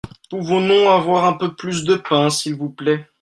Pouvons-nous avoir un peu plus de pain s'il vous plait ?